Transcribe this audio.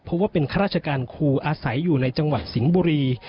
เพราะว่าเป็นข้าราชการครูอาศัยอยู่ในจังหวัดสิงห์บุรี